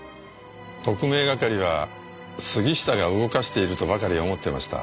特命係は杉下が動かしているとばかり思ってました。